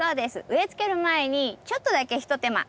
植えつける前にちょっとだけひと手間。